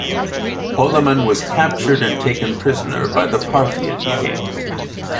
Polemon was captured and taken prisoner by the Parthian King.